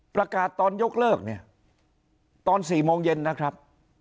ประกาศตอนยกเลิกเนี่ยตอน๔โมงเย็นนะครับ